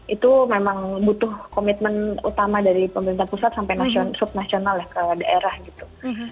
itu memang butuh komitmen utama dari pemerintah pusat sampai subnasional ya ke daerah gitu